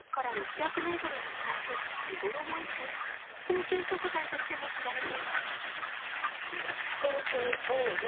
高級食材としても知られています。